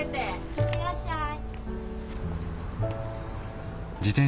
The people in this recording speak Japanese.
・行ってらっしゃい。